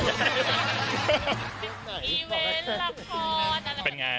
อีเวลละครเป็นงาน